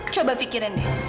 coba fikirin deh